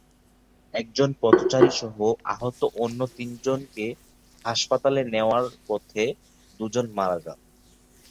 একজন পথচারীসহ আহত অন্য তিনজনকে হাসপাতালে নেওয়ার পথে দুজন মারা যান।